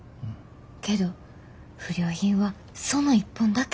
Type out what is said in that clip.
けど不良品はその一本だけやった。